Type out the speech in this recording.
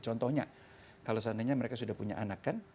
contohnya kalau seandainya mereka sudah punya anak kan